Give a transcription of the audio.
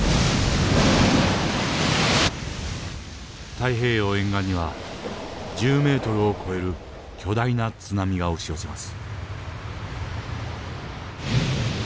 太平洋沿岸には１０ｍを超える巨大な津波が押し寄せます。